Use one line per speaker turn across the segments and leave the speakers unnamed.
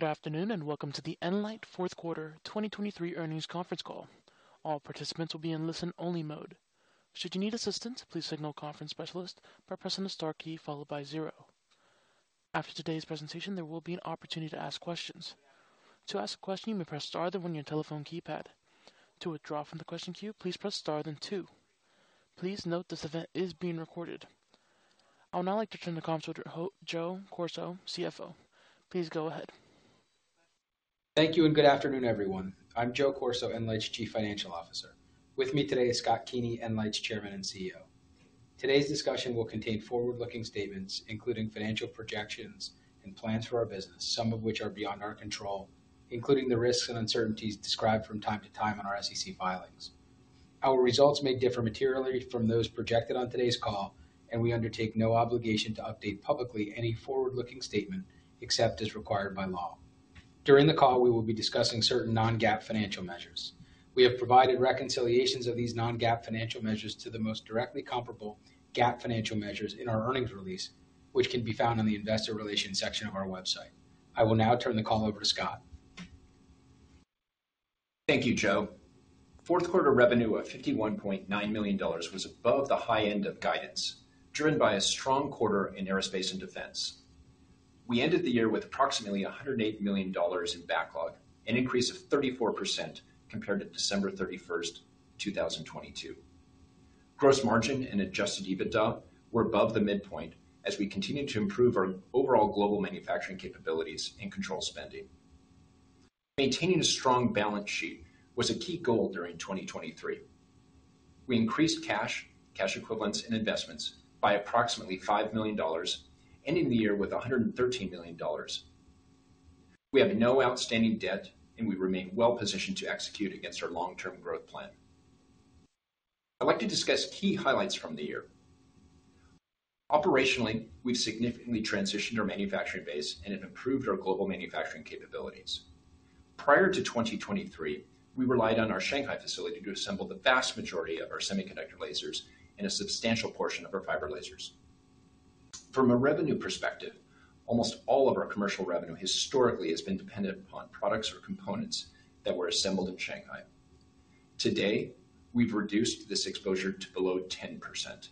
Good afternoon and welcome to the nLIGHT Fourth Quarter 2023 Earnings Conference Call. All participants will be in listen-only mode. Should you need assistance, please signal Conference Specialist by pressing the star key followed by zero. After today's presentation, there will be an opportunity to ask questions. To ask a question, you may press star then one on your telephone keypad. To withdraw from the question queue, please press star then two. Please note this event is being recorded. I would now like to turn the call over to Joe Corso, CFO. Please go ahead.
Thank you and good afternoon, everyone. I'm Joe Corso, nLIGHT's Chief Financial Officer. With me today is Scott Keeney, nLIGHT's Chairman and CEO. Today's discussion will contain forward-looking statements including financial projections and plans for our business, some of which are beyond our control, including the risks and uncertainties described from time to time on our SEC filings. Our results may differ materially from those projected on today's call, and we undertake no obligation to update publicly any forward-looking statement except as required by law. During the call, we will be discussing certain non-GAAP financial measures. We have provided reconciliations of these non-GAAP financial measures to the most directly comparable GAAP financial measures in our earnings release, which can be found in the Investor Relations section of our website. I will now turn the call over to Scott.
Thank you, Joe. Fourth Quarter revenue of $51.9 million was above the high end of guidance, driven by a strong quarter in aerospace and defense. We ended the year with approximately $108 million in backlog, an increase of 34% compared to December 31st, 2022. Gross margin and adjusted EBITDA were above the midpoint as we continued to improve our overall global manufacturing capabilities and control spending. Maintaining a strong balance sheet was a key goal during 2023. We increased cash, cash equivalents, and investments by approximately $5 million, ending the year with $113 million. We have no outstanding debt, and we remain well-positioned to execute against our long-term growth plan. I'd like to discuss key highlights from the year. Operationally, we've significantly transitioned our manufacturing base, and it improved our global manufacturing capabilities. Prior to 2023, we relied on our Shanghai facility to assemble the vast majority of our semiconductor lasers and a substantial portion of our fiber lasers. From a revenue perspective, almost all of our commercial revenue historically has been dependent upon products or components that were assembled in Shanghai. Today, we've reduced this exposure to below 10%.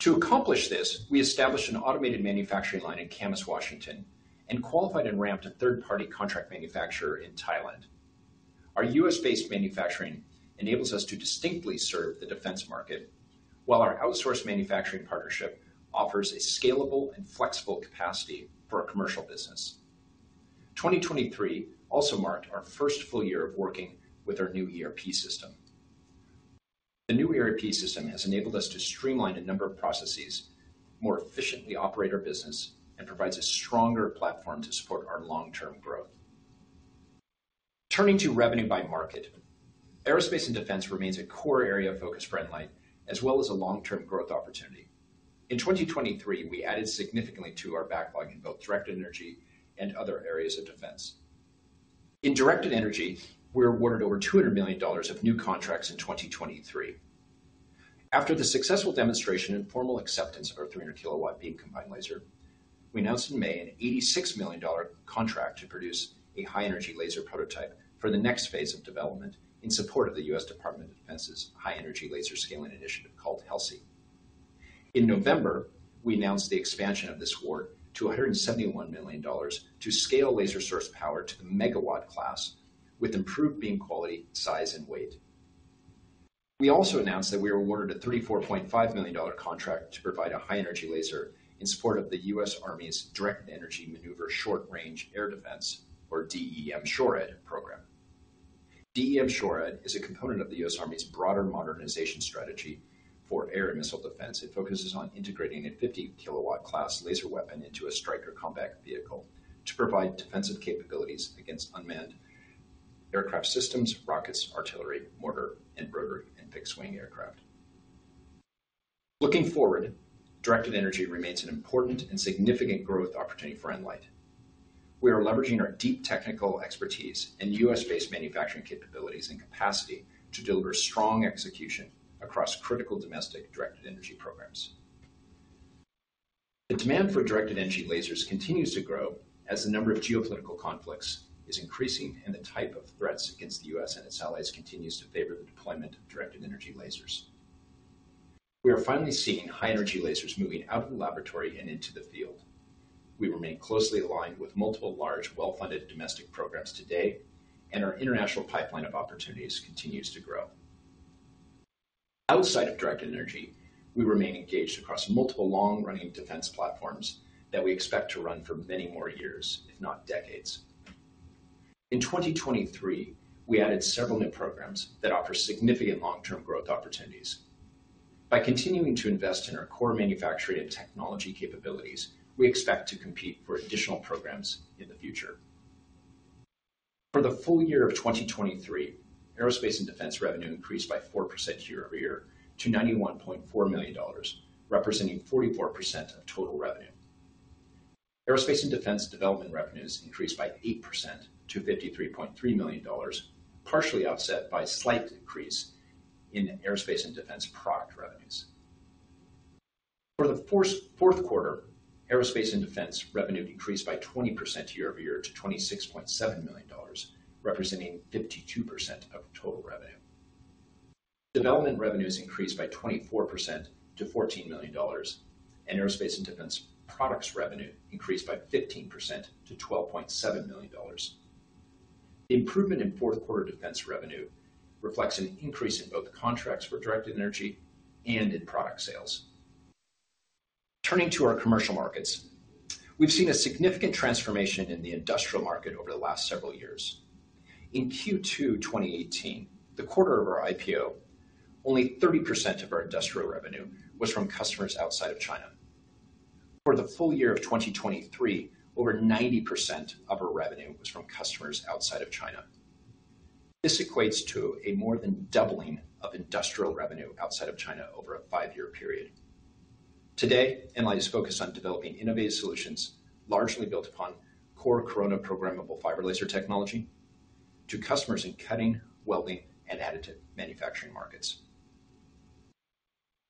To accomplish this, we established an automated manufacturing line in Camas, Washington, and qualified and ramped a third-party contract manufacturer in Thailand. Our U.S.-based manufacturing enables us to distinctly serve the defense market, while our outsourced manufacturing partnership offers a scalable and flexible capacity for our commercial business. 2023 also marked our first full year of working with our new ERP system. The new ERP system has enabled us to streamline a number of processes, more efficiently operate our business, and provides a stronger platform to support our long-term growth. Turning to revenue by market, aerospace and defense remains a core area of focus for nLIGHT, as well as a long-term growth opportunity. In 2023, we added significantly to our backlog in both directed energy and other areas of defense. In directed energy, we awarded over $200 million of new contracts in 2023. After the successful demonstration and formal acceptance of our 300-kilowatt beam combined laser, we announced in May an $86 million contract to produce a high-energy laser prototype for the next phase of development in support of the U.S. Department of Defense's High Energy Laser Scaling Initiative called HELSI. In November, we announced the expansion of this award to $171 million to scale laser source power to the megawatt class with improved beam quality, size, and weight. We also announced that we were awarded a $34.5 million contract to provide a high-energy laser in support of the U.S. Army's Directed Energy Maneuver Short-Range Air Defense, or DE M-SHORAD, program. DE M-SHORAD is a component of the U.S. Army's broader modernization strategy for air and missile defense. It focuses on integrating a 50-kilowatt class laser weapon into a Stryker combat vehicle to provide defensive capabilities against unmanned aircraft systems, rockets, artillery, mortar, and rotor and fixed-wing aircraft. Looking forward, Directed Energy remains an important and significant growth opportunity for nLIGHT. We are leveraging our deep technical expertise and U.S.-based manufacturing capabilities and capacity to deliver strong execution across critical domestic Directed Energy programs. The demand for directed energy lasers continues to grow as the number of geopolitical conflicts is increasing and the type of threats against the U.S. and its allies continues to favor the deployment of directed energy lasers. We are finally seeing high-energy lasers moving out of the laboratory and into the field. We remain closely aligned with multiple large, well-funded domestic programs today, and our international pipeline of opportunities continues to grow. Outside of directed energy, we remain engaged across multiple long-running defense platforms that we expect to run for many more years, if not decades. In 2023, we added several new programs that offer significant long-term growth opportunities. By continuing to invest in our core manufacturing and technology capabilities, we expect to compete for additional programs in the future. For the full year of 2023, aerospace and defense revenue increased by 4% year-over-year to $91.4 million, representing 44% of total revenue. Aerospace and defense development revenues increased by 8% to $53.3 million, partially offset by a slight increase in aerospace and defense product revenues. For the fourth quarter, aerospace and defense revenue increased by 20% year-over-year to $26.7 million, representing 52% of total revenue. Development revenues increased by 24% to $14 million, and aerospace and defense products revenue increased by 15% to $12.7 million. The improvement in fourth quarter defense revenue reflects an increase in both contracts for Directed Energy and in product sales. Turning to our commercial markets, we've seen a significant transformation in the industrial market over the last several years. In Q2 2018, the quarter of our IPO, only 30% of our industrial revenue was from customers outside of China. For the full year of 2023, over 90% of our revenue was from customers outside of China. This equates to a more than doubling of industrial revenue outside of China over a five-year period. Today, nLIGHT is focused on developing innovative solutions largely built upon core Corona programmable fiber laser technology to customers in cutting, welding, and Additive Manufacturing markets.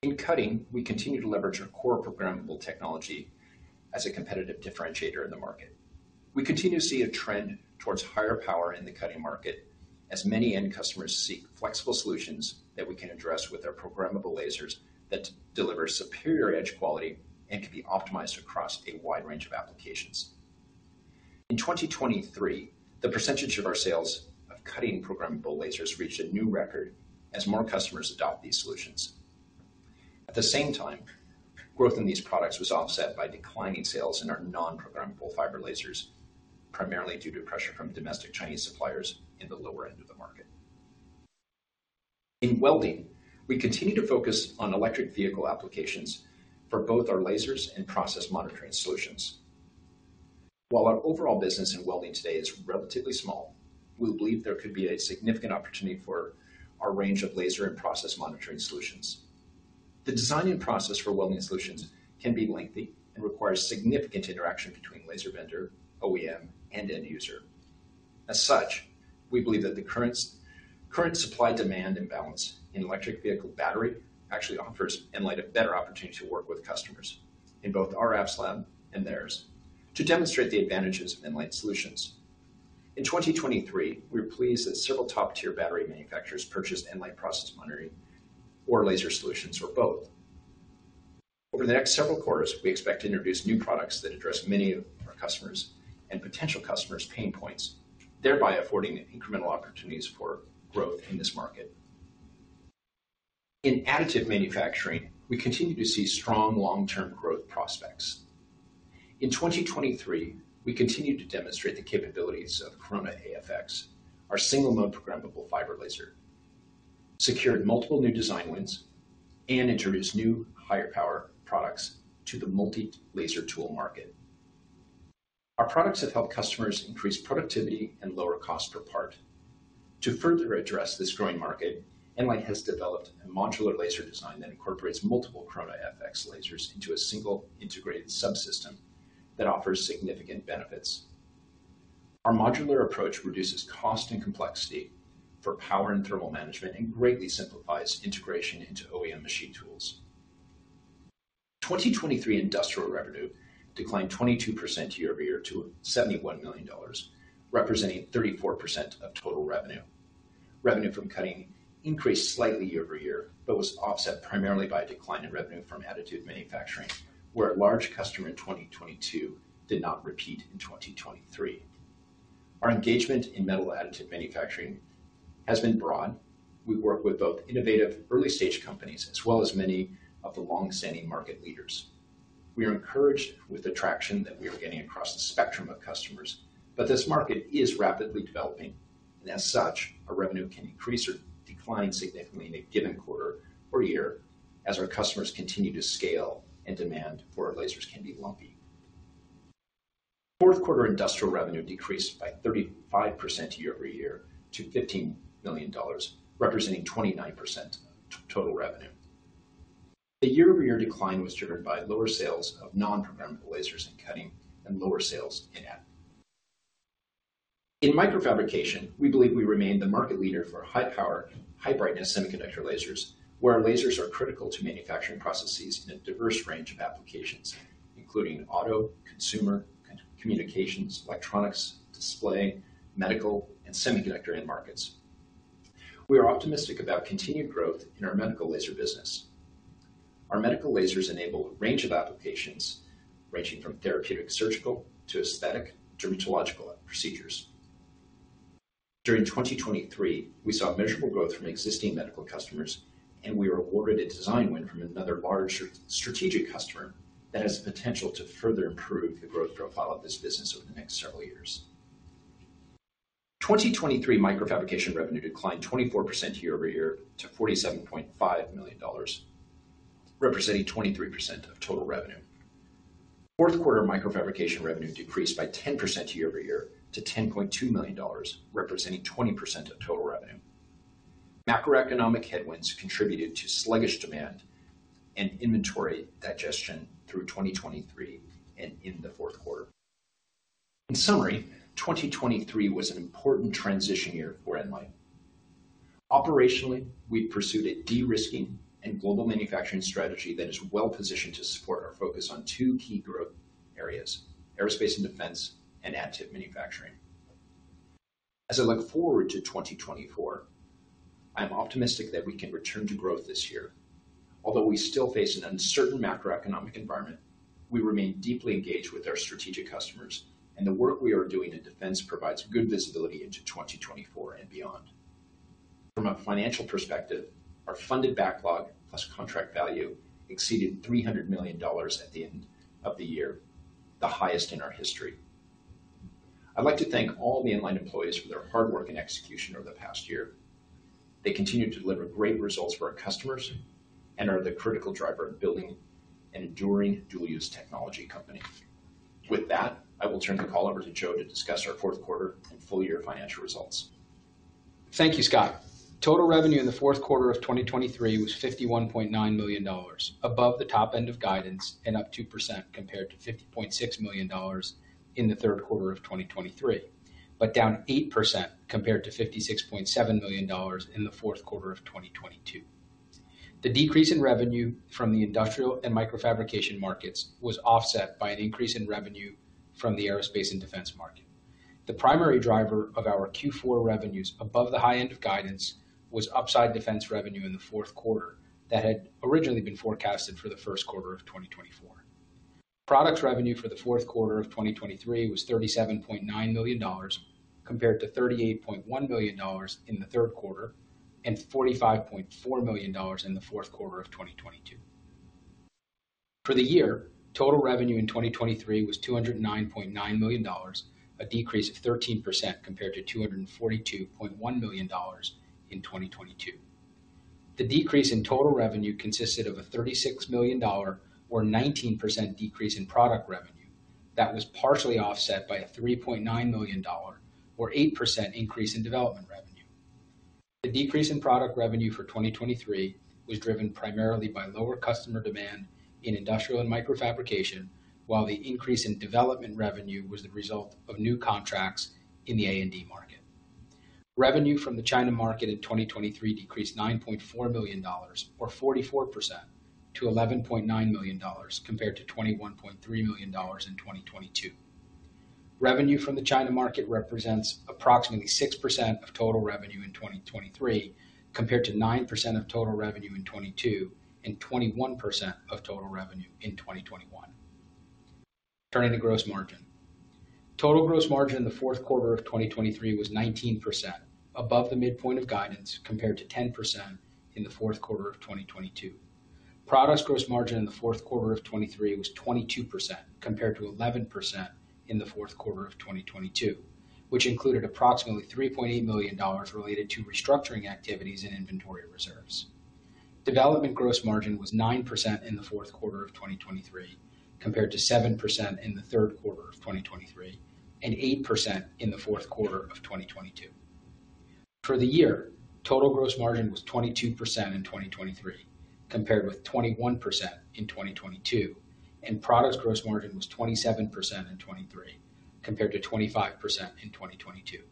In cutting, we continue to leverage our core programmable technology as a competitive differentiator in the market. We continue to see a trend towards higher power in the cutting market as many end customers seek flexible solutions that we can address with our programmable lasers that deliver superior edge quality and can be optimized across a wide range of applications. In 2023, the percentage of our sales of cutting programmable lasers reached a new record as more customers adopt these solutions. At the same time, growth in these products was offset by declining sales in our non-programmable fiber lasers, primarily due to pressure from domestic Chinese suppliers in the lower end of the market. In welding, we continue to focus on electric vehicle applications for both our lasers and process monitoring solutions. While our overall business in welding today is relatively small, we believe there could be a significant opportunity for our range of laser and process monitoring solutions. The design and process for welding solutions can be lengthy and requires significant interaction between laser vendor, OEM, and end user. As such, we believe that the current supply-demand imbalance in electric vehicle battery actually offers nLIGHT a better opportunity to work with customers in both our Apps Lab and theirs to demonstrate the advantages of nLIGHT solutions. In 2023, we were pleased that several top-tier battery manufacturers purchased nLIGHT process monitoring or laser solutions or both. Over the next several quarters, we expect to introduce new products that address many of our customers' and potential customers' pain points, thereby affording incremental opportunities for growth in this market. In additive manufacturing, we continue to see strong long-term growth prospects. In 2023, we continue to demonstrate the capabilities of Corona AFX, our single-mode programmable fiber laser, secured multiple new design wins, and introduced new higher-power products to the multi-laser tool market. Our products have helped customers increase productivity and lower cost per part. To further address this growing market, nLIGHT has developed a modular laser design that incorporates multiple Corona AFX lasers into a single integrated subsystem that offers significant benefits. Our modular approach reduces cost and complexity for power and thermal management and greatly simplifies integration into OEM machine tools. 2023 industrial revenue declined 22% year-over-year to $71 million, representing 34% of total revenue. Revenue from cutting increased slightly year-over-year but was offset primarily by a decline in revenue from additive manufacturing, where a large customer in 2022 did not repeat in 2023. Our engagement in metal additive manufacturing has been broad. We work with both innovative early-stage companies as well as many of the long-standing market leaders. We are encouraged with the traction that we are getting across the spectrum of customers, but this market is rapidly developing, and as such, our revenue can increase or decline significantly in a given quarter or year as our customers continue to scale and demand for our lasers can be lumpy. Fourth quarter industrial revenue decreased by 35% year-over-year to $15 million, representing 29% of total revenue. The year-over-year decline was driven by lower sales of non-programmable lasers in cutting and lower sales in additive. In microfabrication, we believe we remain the market leader for high-power, high-brightness semiconductor lasers, where our lasers are critical to manufacturing processes in a diverse range of applications, including auto, consumer, communications, electronics, display, medical, and semiconductor end markets. We are optimistic about continued growth in our medical laser business. Our medical lasers enable a range of applications ranging from therapeutic surgical to aesthetic dermatological procedures. During 2023, we saw measurable growth from existing medical customers, and we were awarded a design win from another large strategic customer that has the potential to further improve the growth profile of this business over the next several years. 2023 microfabrication revenue declined 24% year-over-year to $47.5 million, representing 23% of total revenue. Fourth quarter microfabrication revenue decreased by 10% year-over-year to $10.2 million, representing 20% of total revenue. Macroeconomic headwinds contributed to sluggish demand and inventory digestion through 2023 and in the fourth quarter. In summary, 2023 was an important transition year for nLIGHT. Operationally, we've pursued a de-risking and global manufacturing strategy that is well-positioned to support our focus on two key growth areas: aerospace and defense and additive manufacturing. As I look forward to 2024, I am optimistic that we can return to growth this year. Although we still face an uncertain macroeconomic environment, we remain deeply engaged with our strategic customers, and the work we are doing in defense provides good visibility into 2024 and beyond. From a financial perspective, our funded backlog plus contract value exceeded $300 million at the end of the year, the highest in our history. I'd like to thank all the nLIGHT employees for their hard work and execution over the past year. They continue to deliver great results for our customers and are the critical driver of building an enduring dual-use technology company. With that, I will turn the call over to Joe to discuss our fourth quarter and full-year financial results.
Thank you, Scott. Total revenue in the fourth quarter of 2023 was $51.9 million, above the top end of guidance and up 2% compared to $50.6 million in the third quarter of 2023, but down 8% compared to $56.7 million in the fourth quarter of 2022. The decrease in revenue from the industrial and microfabrication markets was offset by an increase in revenue from the aerospace and defense market. The primary driver of our Q4 revenues above the high end of guidance was upside defense revenue in the fourth quarter that had originally been forecasted for the first quarter of 2024. Product revenue for the fourth quarter of 2023 was $37.9 million compared to $38.1 million in the third quarter and $45.4 million in the fourth quarter of 2022. For the year, total revenue in 2023 was $209.9 million, a decrease of 13% compared to $242.1 million in 2022. The decrease in total revenue consisted of a $36 million or 19% decrease in product revenue that was partially offset by a $3.9 million or 8% increase in development revenue. The decrease in product revenue for 2023 was driven primarily by lower customer demand in industrial and microfabrication, while the increase in development revenue was the result of new contracts in the A&D market. Revenue from the China market in 2023 decreased $9.4 million or 44% to $11.9 million compared to $21.3 million in 2022. Revenue from the China market represents approximately 6% of total revenue in 2023 compared to 9% of total revenue in 2022 and 21% of total revenue in 2021. Turning to gross margin. Total gross margin in the fourth quarter of 2023 was 19%, above the midpoint of guidance compared to 10% in the fourth quarter of 2022. Product gross margin in the fourth quarter of 2023 was 22% compared to 11% in the fourth quarter of 2022, which included approximately $3.8 million related to restructuring activities and inventory reserves. Development gross margin was 9% in the fourth quarter of 2023 compared to 7% in the third quarter of 2023 and 8% in the fourth quarter of 2022. For the year, total gross margin was 22% in 2023 compared with 21% in 2022, and product gross margin was 27% in 2023 compared to 25% in 2022.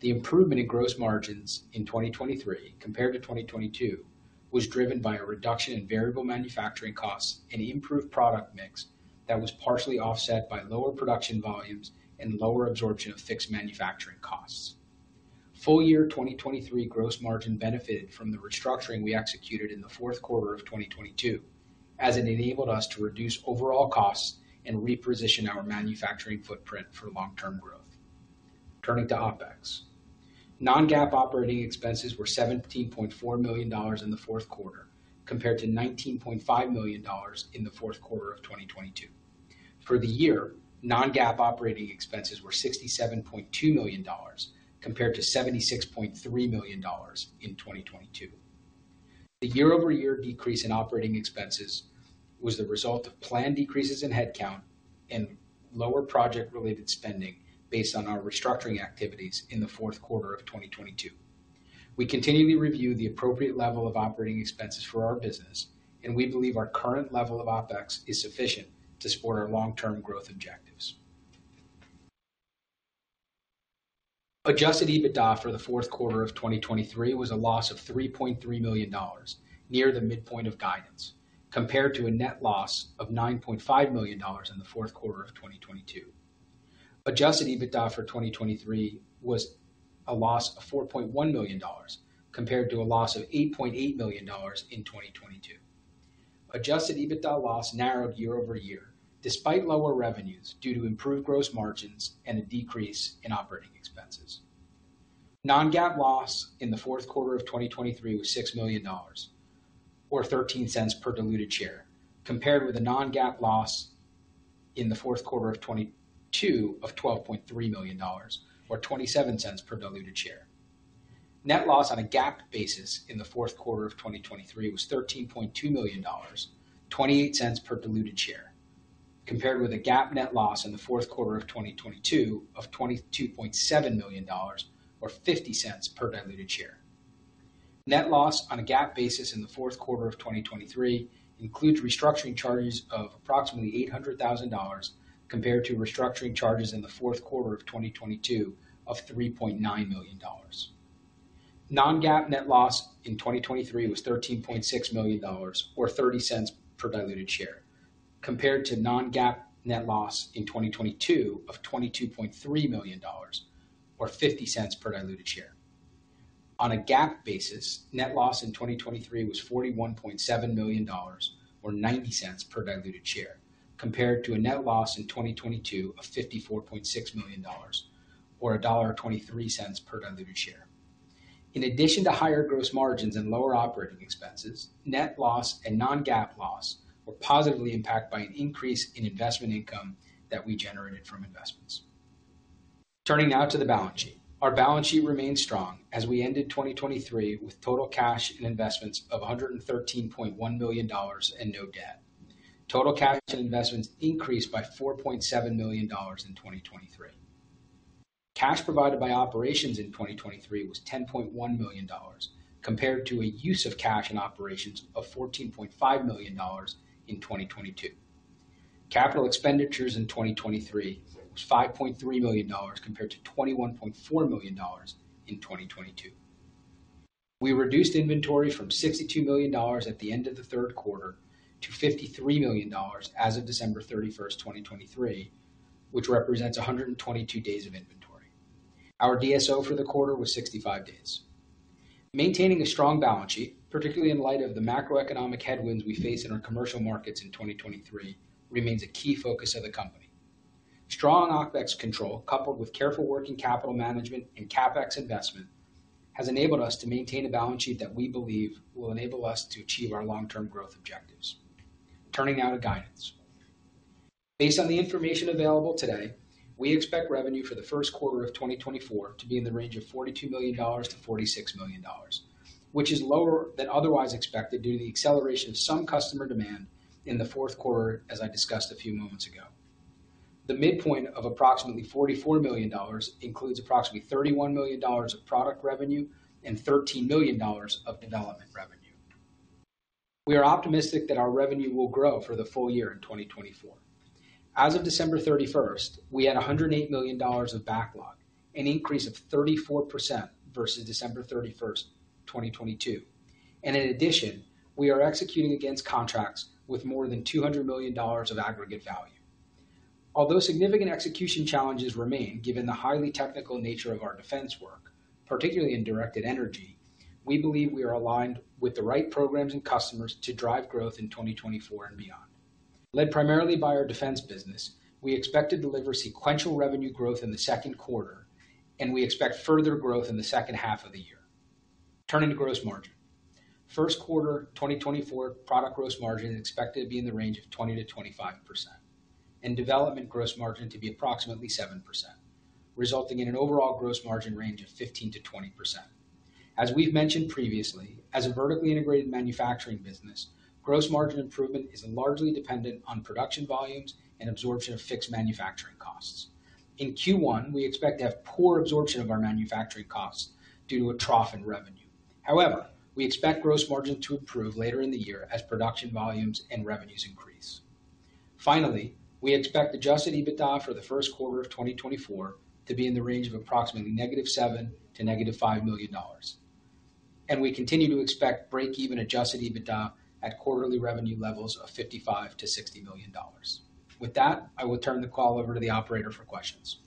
The improvement in gross margins in 2023 compared to 2022 was driven by a reduction in variable manufacturing costs and improved product mix that was partially offset by lower production volumes and lower absorption of fixed manufacturing costs. Full-year 2023 gross margin benefited from the restructuring we executed in the fourth quarter of 2022, as it enabled us to reduce overall costs and reposition our manufacturing footprint for long-term growth. Turning to OpEx. Non-GAAP operating expenses were $17.4 million in the fourth quarter compared to $19.5 million in the fourth quarter of 2022. For the year, non-GAAP operating expenses were $67.2 million compared to $76.3 million in 2022. The year-over-year decrease in operating expenses was the result of planned decreases in headcount and lower project-related spending based on our restructuring activities in the fourth quarter of 2022. We continually review the appropriate level of operating expenses for our business, and we believe our current level of OpEx is sufficient to support our long-term growth objectives. Adjusted EBITDA for the fourth quarter of 2023 was a loss of $3.3 million, near the midpoint of guidance, compared to a net loss of $9.5 million in the fourth quarter of 2022. Adjusted EBITDA for 2023 was a loss of $4.1 million compared to a loss of $8.8 million in 2022. Adjusted EBITDA loss narrowed year-over-year despite lower revenues due to improved gross margins and a decrease in operating expenses. Non-GAAP loss in the fourth quarter of 2023 was $6 million or $0.13 per diluted share, compared with a non-GAAP loss in the fourth quarter of 2022 of $12.3 million or $0.27 per diluted share. Net loss on a GAAP basis in the fourth quarter of 2023 was $13.2 million or $0.28 per diluted share, compared with a GAAP net loss in the fourth quarter of 2022 of $22.7 million or $0.50 per diluted share. Net loss on a GAAP basis in the fourth quarter of 2023 includes restructuring charges of approximately $800,000 compared to restructuring charges in the fourth quarter of 2022 of $3.9 million. Non-GAAP net loss in 2023 was $13.6 million or $0.30 per diluted share, compared to non-GAAP net loss in 2022 of $22.3 million or $0.50 per diluted share. On a GAAP basis, net loss in 2023 was $41.7 million or $0.90 per diluted share, compared to a net loss in 2022 of $54.6 million or $1.23 per diluted share. In addition to higher gross margins and lower operating expenses, net loss and non-GAAP loss were positively impacted by an increase in investment income that we generated from investments. Turning now to the balance sheet. Our balance sheet remained strong as we ended 2023 with total cash and investments of $113.1 million and no debt. Total cash and investments increased by $4.7 million in 2023. Cash provided by operations in 2023 was $10.1 million compared to a use of cash in operations of $14.5 million in 2022. Capital expenditures in 2023 was $5.3 million compared to $21.4 million in 2022. We reduced inventory from $62 million at the end of the third quarter to $53 million as of December 31, 2023, which represents 122 days of inventory. Our DSO for the quarter was 65 days. Maintaining a strong balance sheet, particularly in light of the macroeconomic headwinds we face in our commercial markets in 2023, remains a key focus of the company. Strong OpEx control coupled with careful working capital management and CapEx investment has enabled us to maintain a balance sheet that we believe will enable us to achieve our long-term growth objectives. Turning now to guidance. Based on the information available today, we expect revenue for the first quarter of 2024 to be in the range of $42 million-$46 million, which is lower than otherwise expected due to the acceleration of some customer demand in the fourth quarter, as I discussed a few moments ago. The midpoint of approximately $44 million includes approximately $31 million of product revenue and $13 million of development revenue. We are optimistic that our revenue will grow for the full year in 2024. As of December 31st, we had $108 million of backlog, an increase of 34% versus December 31st, 2022. In addition, we are executing against contracts with more than $200 million of aggregate value. Although significant execution challenges remain given the highly technical nature of our defense work, particularly in directed energy, we believe we are aligned with the right programs and customers to drive growth in 2024 and beyond. Led primarily by our defense business, we expect to deliver sequential revenue growth in the second quarter, and we expect further growth in the second half of the year. Turning to gross margin. First quarter 2024 product gross margin is expected to be in the range of 20%-25%, and development gross margin to be approximately 7%, resulting in an overall gross margin range of 15%-20%. As we've mentioned previously, as a vertically integrated manufacturing business, gross margin improvement is largely dependent on production volumes and absorption of fixed manufacturing costs. In Q1, we expect to have poor absorption of our manufacturing costs due to a trough in revenue. However, we expect gross margin to improve later in the year as production volumes and revenues increase. Finally, we expect adjusted EBITDA for the first quarter of 2024 to be in the range of approximately -$7 million to -$5 million. We continue to expect break-even adjusted EBITDA at quarterly revenue levels of $55 million-$60 million. With that, I will turn the call over to the operator for questions.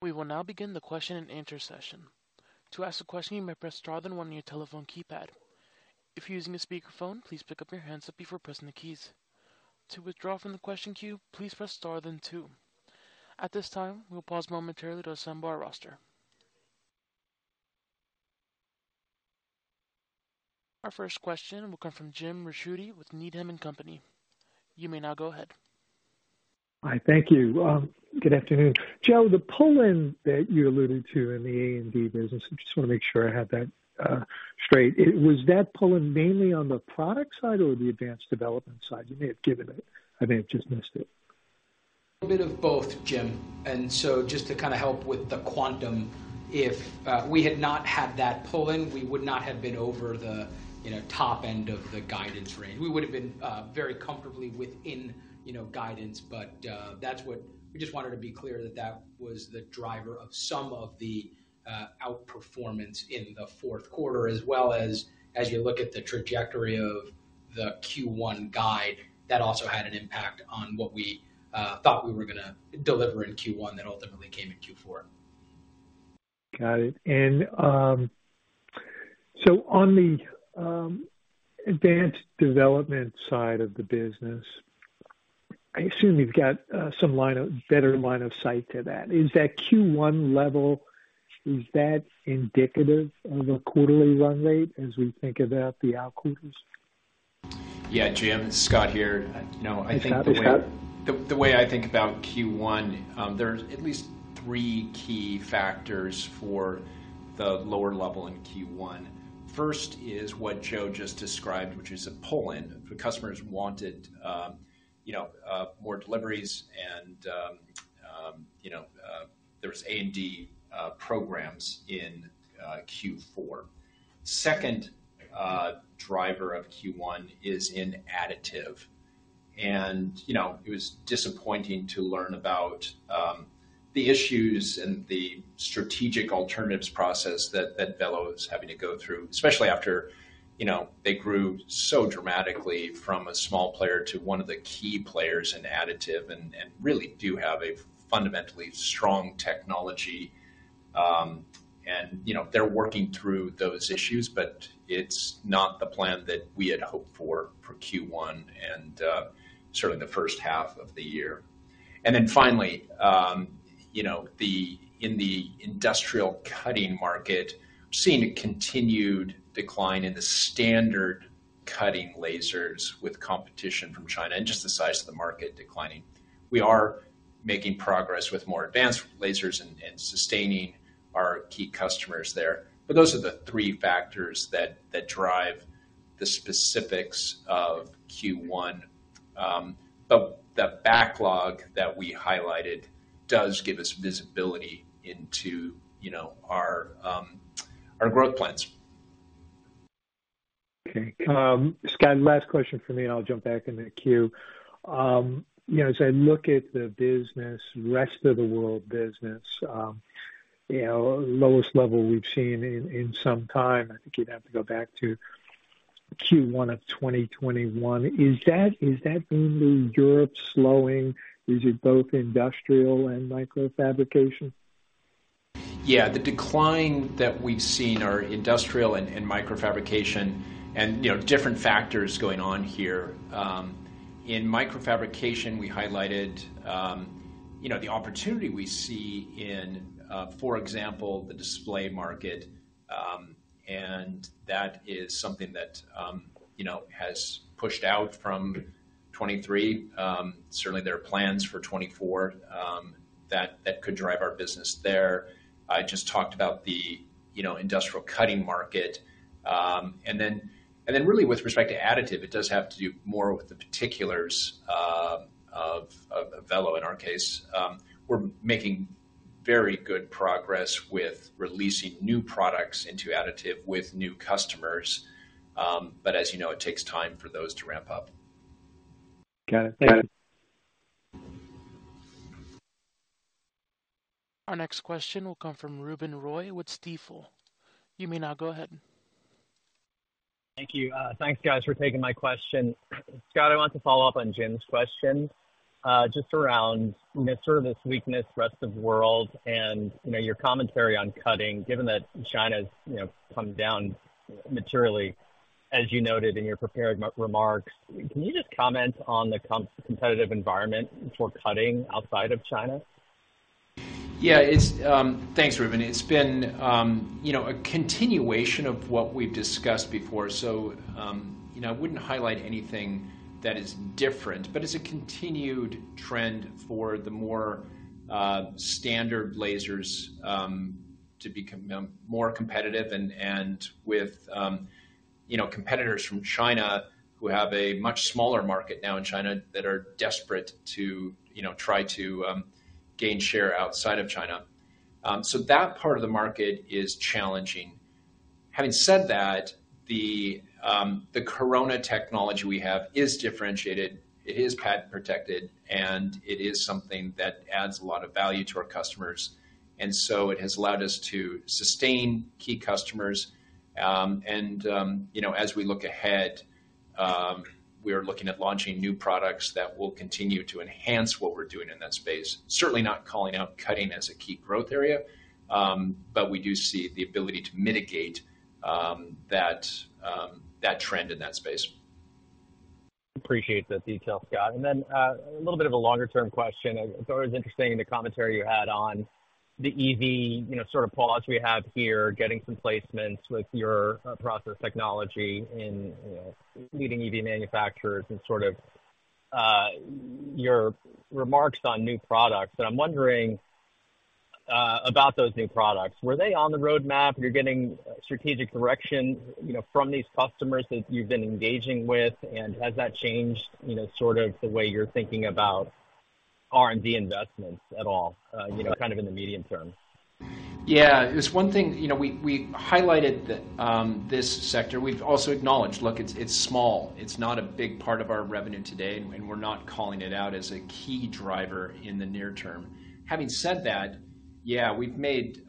We will now begin the question and answer session. To ask a question, you may press star then one on your telephone keypad. If you're using a speakerphone, please pick up the handset before pressing the keys. To withdraw from the question queue, please press star then two. At this time, we will pause momentarily to assemble our questioners. Our first question will come from Jim Ricchiuti with Needham & Company. You may now go ahead.
Hi. Thank you. Good afternoon. Joe, the pull-in that you alluded to in the A&D business, I just want to make sure I have that straight. Was that pull-in mainly on the product side or the advanced development side? You may have given it. I may have just missed it. A bit of both, Jim.
And so just to kind of help with the quantum, if we had not had that pull-in, we would not have been over the top end of the guidance range. We would have been very comfortably within guidance, but that's what we just wanted to be clear that that was the driver of some of the outperformance in the fourth quarter, as well as as you look at the trajectory of the Q1 guide, that also had an impact on what we thought we were going to deliver in Q1 that ultimately came in Q4.
Got it. And so on the advanced development side of the business, I assume you've got some better line of sight to that. Is that Q1 level, is that indicative of a quarterly run rate as we think about the outquarters?
Yeah, Jim. Scott here. I think the way I think about Q1, there are at least three key factors for the lower level in Q1. First is what Joe just described, which is a pull-in. The customers wanted more deliveries, and there was A&D programs in Q4. Second driver of Q1 is an additive. It was disappointing to learn about the issues and the strategic alternatives process that Velo is having to go through, especially after they grew so dramatically from a small player to one of the key players in additive and really do have a fundamentally strong technology. And they're working through those issues, but it's not the plan that we had hoped for for Q1 and certainly the first half of the year. And then finally, in the industrial cutting market, seeing a continued decline in the standard cutting lasers with competition from China and just the size of the market declining, we are making progress with more advanced lasers and sustaining our key customers there. But those are the three factors that drive the specifics of Q1. But the backlog that we highlighted does give us visibility into our growth plans.
Okay. Scott, last question for me, and I'll jump back in the queue. As I look at the rest of the world business, lowest level we've seen in some time, I think you'd have to go back to Q1 of 2021, is that mainly Europe slowing? Is it both industrial and microfabrication?
Yeah. The decline that we've seen are industrial and microfabrication and different factors going on here. In microfabrication, we highlighted the opportunity we see in, for example, the display market. That is something that has pushed out from 2023. Certainly, there are plans for 2024 that could drive our business there. I just talked about the industrial cutting market. And then really, with respect to additive, it does have to do more with the particulars of Velo, in our case. We're making very good progress with releasing new products into additive with new customers. But as you know, it takes time for those to ramp up.
Got it. Thank you.
Our next question will come from Ruben Roy with Stifel. You may now go ahead.
Thank you. Thanks, guys, for taking my question. Scott, I want to follow up on Jim's question just around, "industrial, this weakness, rest of world," and your commentary on cutting, given that China's come down materially, as you noted in your prepared remarks, can you just comment on the competitive environment for cutting outside of China?
Yeah. Thanks, Ruben. It's been a continuation of what we've discussed before. So I wouldn't highlight anything that is different, but it's a continued trend for the more standard lasers to become more competitive and with competitors from China who have a much smaller market now in China that are desperate to try to gain share outside of China. So that part of the market is challenging. Having said that, the Corona technology we have is differentiated. It is patent protected, and it is something that adds a lot of value to our customers. So it has allowed us to sustain key customers. As we look ahead, we are looking at launching new products that will continue to enhance what we're doing in that space, certainly not calling out cutting as a key growth area. But we do see the ability to mitigate that trend in that space.
Appreciate the detail, Scott. Then a little bit of a longer-term question. It's always interesting in the commentary you had on the EV sort of pause we have here, getting some placements with your process technology in leading EV manufacturers and sort of your remarks on new products. I'm wondering about those new products. Were they on the roadmap? You're getting strategic direction from these customers that you've been engaging with, and has that changed sort of the way you're thinking about R&D investments at all, kind of in the medium term?
Yeah. It's one thing we highlighted this sector. We've also acknowledged, "Look, it's small. It's not a big part of our revenue today, and we're not calling it out as a key driver in the near term." Having said that, yeah, we've made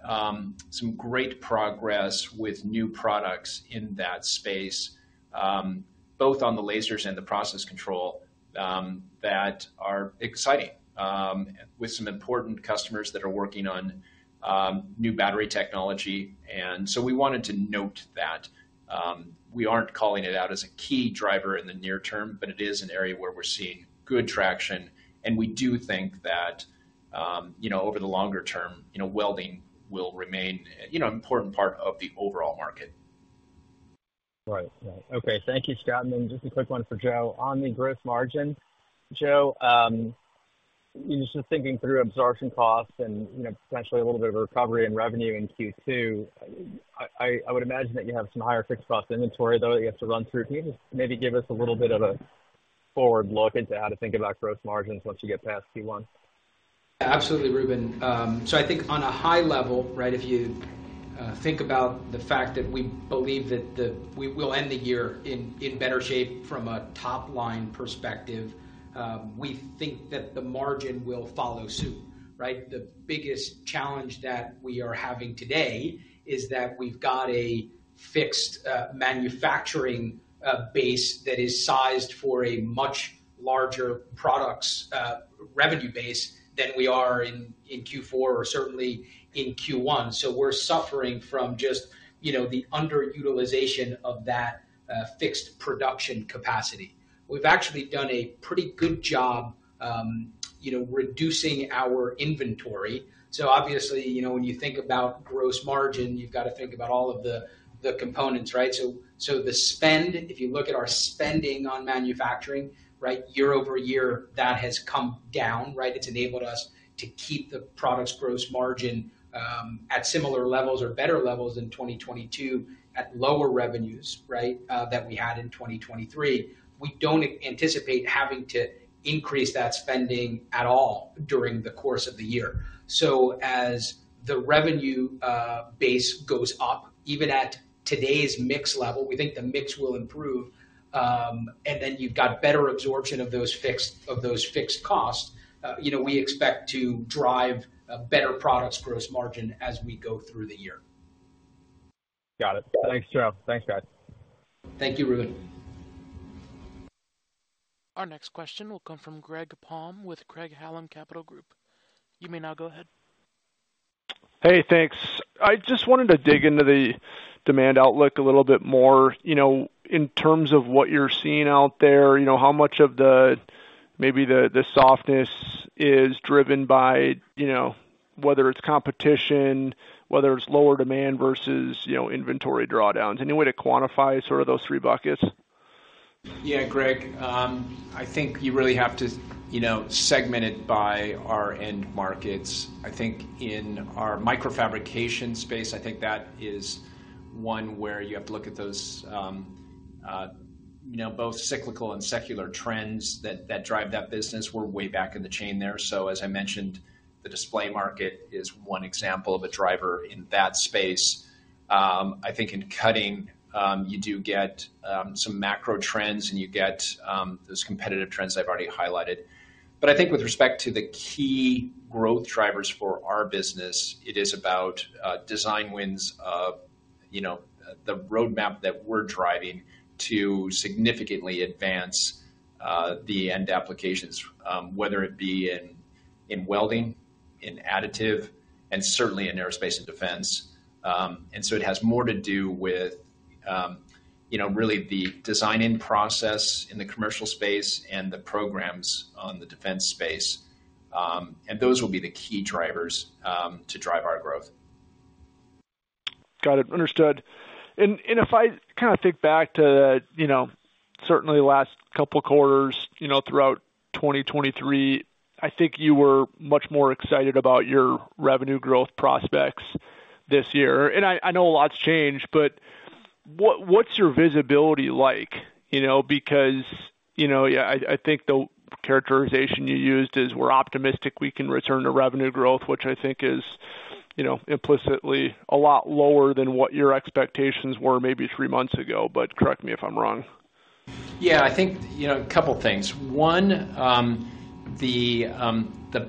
some great progress with new products in that space, both on the lasers and the process control, that are exciting with some important customers that are working on new battery technology. And so we wanted to note that we aren't calling it out as a key driver in the near term, but it is an area where we're seeing good traction. And we do think that over the longer term, welding will remain an important part of the overall market.
Right. Right. Okay. Thank you, Scott. And then just a quick one for Joe on the gross margin. Joe, just thinking through absorption costs and potentially a little bit of recovery in revenue in Q2, I would imagine that you have some higher fixed cost inventory, though, that you have to run through. Can you just maybe give us a little bit of a forward look into how to think about gross margins once you get past Q1?
Yeah. Absolutely, Ruben. So I think on a high level, right, if you think about the fact that we believe that we'll end the year in better shape from a top-line perspective, we think that the margin will follow suit, right? The biggest challenge that we are having today is that we've got a fixed manufacturing base that is sized for a much larger product revenue base than we are in Q4 or certainly in Q1. So we're suffering from just the underutilization of that fixed production capacity. We've actually done a pretty good job reducing our inventory. So obviously, when you think about gross margin, you've got to think about all of the components, right? So the spend, if you look at our spending on manufacturing, right, year-over-year, that has come down, right? It's enabled us to keep the product gross margin at similar levels or better levels in 2022 at lower revenues, right, than we had in 2023. We don't anticipate having to increase that spending at all during the course of the year. So as the revenue base goes up, even at today's mix level, we think the mix will improve. And then you've got better absorption of those fixed costs. We expect to drive better product gross margin as we go through the year.
Got it. Thanks, Joe. Thanks, guys.
Thank you, Ruben.
Our next question will come from Greg Palm with Craig-Hallum Capital Group. You may now go ahead.
Hey. Thanks. I just wanted to dig into the demand outlook a little bit more in terms of what you're seeing out there, how much of maybe the softness is driven by whether it's competition, whether it's lower demand versus inventory drawdowns, any way to quantify sort of those three buckets?
Yeah, Greg. I think you really have to segment it by our end markets. I think in our microfabrication space, I think that is one where you have to look at those both cyclical and secular trends that drive that business. We're way back in the chain there. So as I mentioned, the display market is one example of a driver in that space. I think in cutting, you do get some macro trends, and you get those competitive trends I've already highlighted. But I think with respect to the key growth drivers for our business, it is about design wins of the roadmap that we're driving to significantly advance the end applications, whether it be in welding, in additive, and certainly in aerospace and defense. And so it has more to do with really the designing process in the commercial space and the programs on the defense space. And those will be the key drivers to drive our growth.
Got it. Understood. And if I kind of think back to certainly the last couple quarters throughout 2023, I think you were much more excited about your revenue growth prospects this year. And I know a lot's changed, but what's your visibility like? Because I think the characterization you used is, "We're optimistic we can return to revenue growth," which I think is implicitly a lot lower than what your expectations were maybe three months ago, but correct me if I'm wrong.
Yeah. I think a couple things. One, the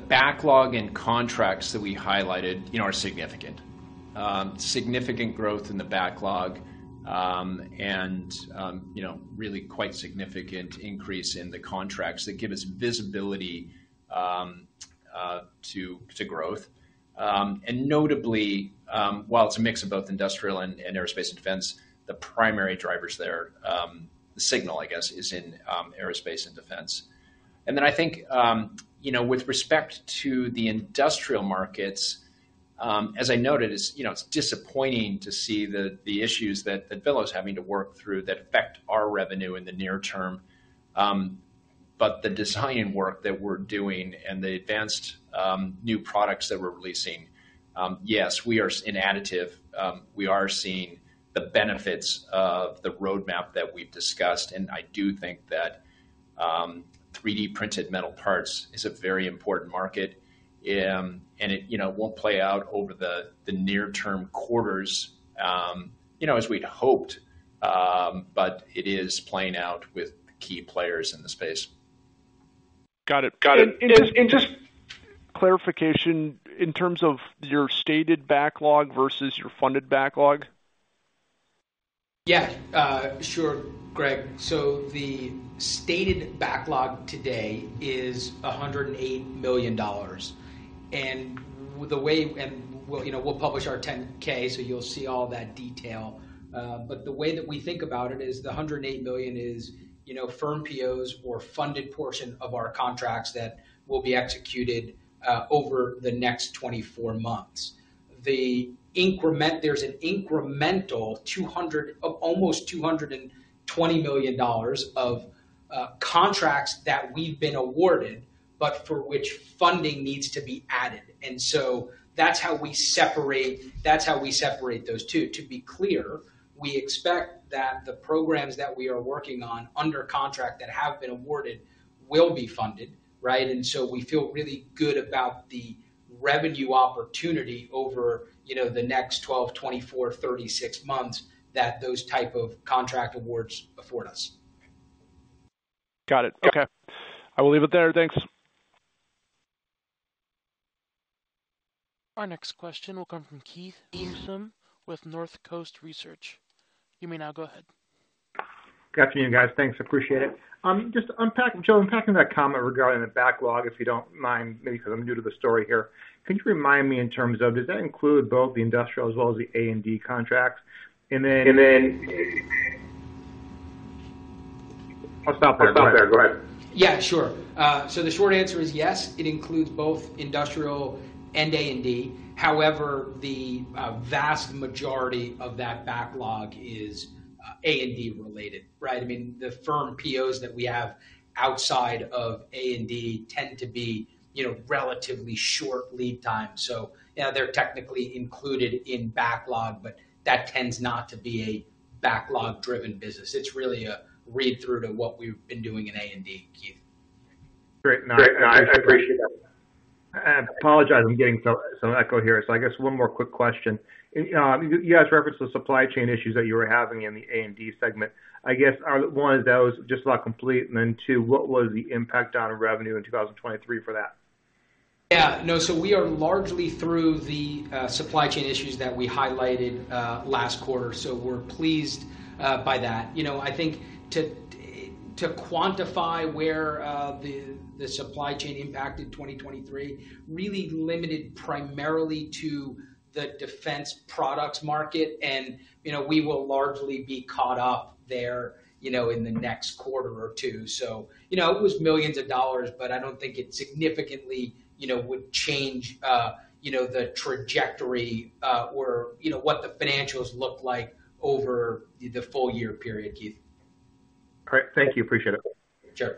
backlog and contracts that we highlighted are significant, significant growth in the backlog and really quite significant increase in the contracts that give us visibility to growth. And notably, while it's a mix of both industrial and aerospace and defense, the primary drivers there, the signal, I guess, is in aerospace and defense. And then I think with respect to the industrial markets, as I noted, it's disappointing to see the issues that Velo is having to work through that affect our revenue in the near term. But the designing work that we're doing and the advanced new products that we're releasing, yes, we are in additive. We are seeing the benefits of the roadmap that we've discussed. I do think that 3D-printed metal parts is a very important market. It won't play out over the near-term quarters as we'd hoped, but it is playing out with key players in the space.
Got it. Got it. Just clarification in terms of your stated backlog versus your funded backlog?
Yeah. Sure, Greg. The stated backlog today is $108 million. We'll publish our 10-K, so you'll see all that detail. The way that we think about it is the $108 million is firm POs or funded portion of our contracts that will be executed over the next 24 months. There's an incremental almost $220 million of contracts that we've been awarded but for which funding needs to be added. And so that's how we separate that's how we separate those two. To be clear, we expect that the programs that we are working on under contract that have been awarded will be funded, right? And so we feel really good about the revenue opportunity over the next 12, 24, 36 months that those type of contract awards afford us.
Got it. Okay. I will leave it there. Thanks.
Our next question will come from Keith Housum with North Coast Research. You may now go ahead.
Good afternoon, guys. Thanks. Appreciate it. Joe, unpacking that comment regarding the backlog, if you don't mind, maybe because I'm new to the story here, can you remind me in terms of, does that include both the industrial as well as the A&D contracts? And then I'll stop there. I'll stop there. Go ahead.
Yeah. Sure. So the short answer is yes, it includes both industrial and A&D. However, the vast majority of that backlog is A&D-related, right? I mean, the firm POs that we have outside of A&D tend to be relatively short lead times. So they're technically included in backlog, but that tends not to be a backlog-driven business. It's really a read-through to what we've been doing in A&D, Keith.
Great. No, I appreciate that. I apologize. I'm getting some echo here. So I guess one more quick question. You guys referenced the supply chain issues that you were having in the A&D segment. I guess, one, is that was just about complete, and then two, what was the impact on revenue in 2023 for that?
Yeah. No. So we are largely through the supply chain issues that we highlighted last quarter. So we're pleased by that. I think to quantify where the supply chain impacted 2023 really limited primarily to the defense products market, and we will largely be caught up there in the next quarter or two. So it was $ millions, but I don't think it significantly would change the trajectory or what the financials look like over the full year period, Keith.
Great. Thank you. Appreciate it. Sure.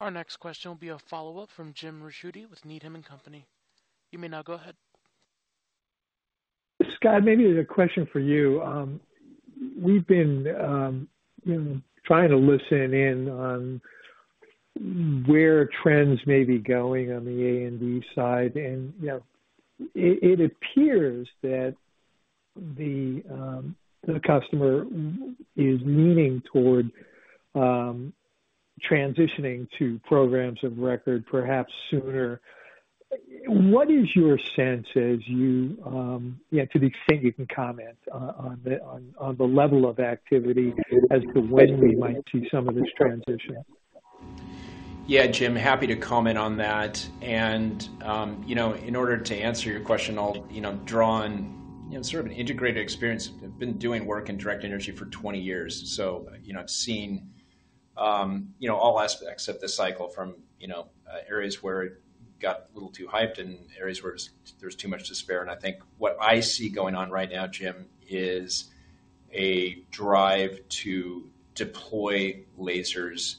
Our next question will be a follow-up from Jim Ricchiuti with Needham & Company. You may now go ahead.
Scott, maybe a question for you. We've been trying to listen in on where trends may be going on the A&D side. And it appears that the customer is leaning toward transitioning to programs of record perhaps sooner. What is your sense as you yeah, to the extent you can comment on the level of activity as to when we might see some of this transition?
Yeah, Jim. Happy to comment on that. In order to answer your question, I'll draw on sort of an integrated experience. I've been doing work in directed energy for 20 years. So I've seen all aspects of the cycle from areas where it got a little too hyped and areas where there's too much despair. I think what I see going on right now, Jim, is a drive to deploy lasers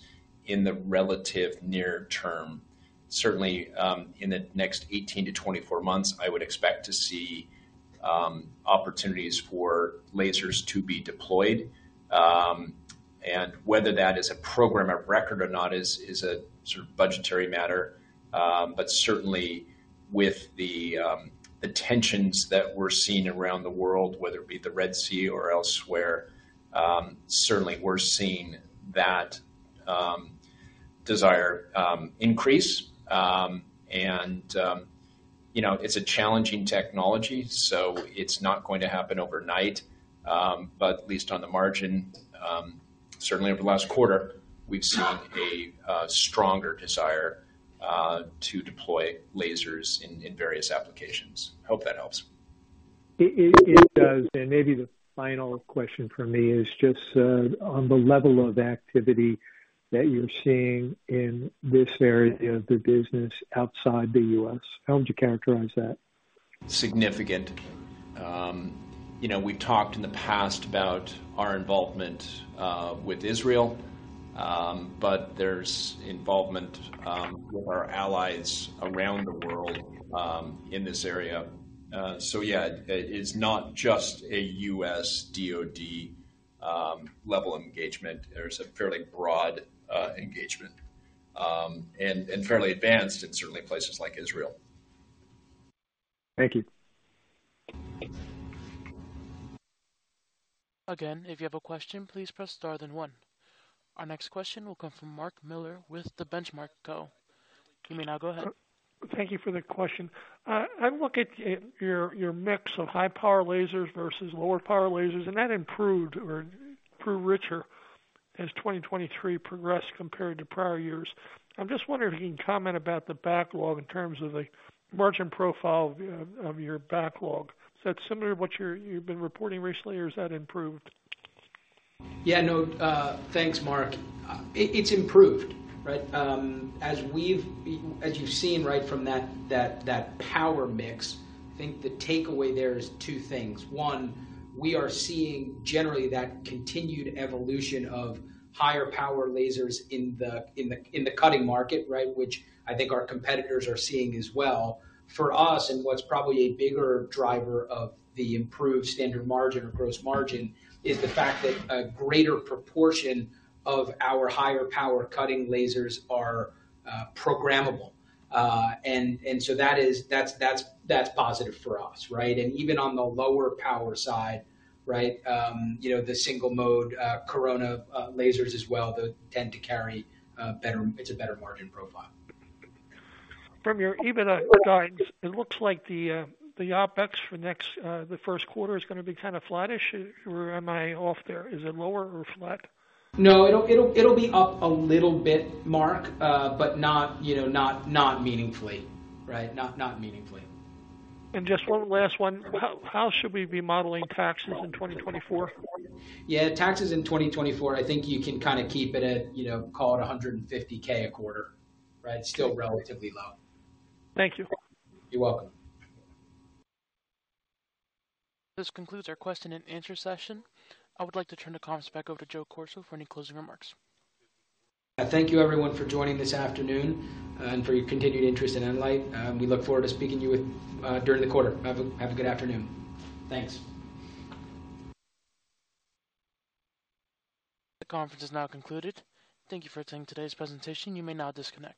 in the relative near term. Certainly, in the next 18-24 months, I would expect to see opportunities for lasers to be deployed. Whether that is a program of record or not is a sort of budgetary matter. But certainly, with the tensions that we're seeing around the world, whether it be the Red Sea or elsewhere, certainly, we're seeing that desire increase. And it's a challenging technology, so it's not going to happen overnight. But at least on the margin, certainly over the last quarter, we've seen a stronger desire to deploy lasers in various applications. Hope that helps.
It does. And maybe the final question for me is just on the level of activity that you're seeing in this area of the business outside the U.S. How would you characterize that?
Significant. We've talked in the past about our involvement with Israel, but there's involvement with our allies around the world in this area. So yeah, it's not just a U.S. DoD-level engagement. There's a fairly broad engagement and fairly advanced in certainly places like Israel.
Thank you.
Again, if you have a question, please press star then one. Our next question will come from Mark Miller with the Benchmark Co. You may now go ahead.
Thank you for the question. I look at your mix of high-power lasers versus lower-power lasers, and that improved or grew richer as 2023 progressed compared to prior years. I'm just wondering if you can comment about the backlog in terms of the margin profile of your backlog. Is that similar to what you've been reporting recently, or is that improved?
Yeah. No. Thanks, Mark. It's improved, right? As you've seen, right, from that power mix, I think the takeaway there is two things. One, we are seeing generally that continued evolution of higher-power lasers in the cutting market, right, which I think our competitors are seeing as well. For us, and what's probably a bigger driver of the improved standard margin or gross margin is the fact that a greater proportion of our higher-power cutting lasers are programmable. And so that's positive for us, right? And even on the lower-power side, right, the single-mode Corona lasers as well, they tend to carry better it's a better margin profile.
From your EBITDA guidance, it looks like the OpEx for the first quarter is going to be kind of flattish. Or am I off there? Is it lower or flat?
No. It'll be up a little bit, Mark, but not meaningfully, right? Not meaningfully.
And just one last one. How should we be modeling taxes in 2024?
Yeah. Taxes in 2024, I think you can kind of keep it at call it $150,000 a quarter, right? Still relatively low.
Thank you.
You're welcome.
This concludes our question-and-answer session. I would like to turn the comments back over to Joe Corso for any closing remarks.
Thank you, everyone, for joining this afternoon and for your continued interest in nLIGHT. We look forward to speaking to you during the quarter. Have a good afternoon. Thanks.
The conference is now concluded. Thank you for attending today's presentation. You may now disconnect.